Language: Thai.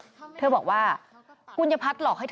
นึกออกไหมเลยคุณถูกคอแล้วทราบว่าจริงขึ้นปันหามันเกิดจากอะไรรอทำไมอยู่